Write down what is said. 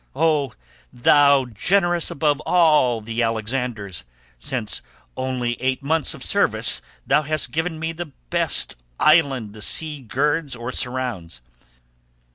Oh thou, generous above all the Alexanders, since for only eight months of service thou hast given me the best island the sea girds or surrounds!